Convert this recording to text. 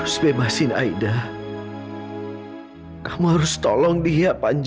sepatah fortal indah banget